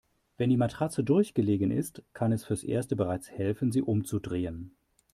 Wenn die Matratze durchgelegen ist, kann es fürs Erste bereits helfen, sie umzudrehen.